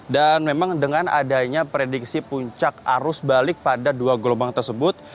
dan memang dengan adanya prediksi puncak arus balik pada dua gelombang tersebut